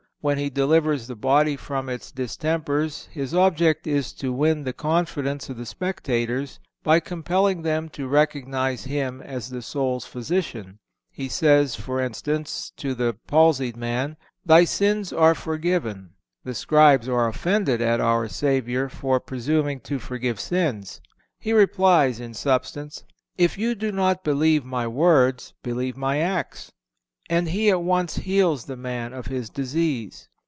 When He delivers the body from its distempers His object is to win the confidence of the spectators by compelling them to recognize Him as the soul's Physician. He says, for instance, to the palsied man, "Thy sins are forgiven."(436) The scribes are offended at our Savior for presuming to forgive sins. He replies, in substance: If you do not believe My words, believe My acts; and He at once heals the man of his disease.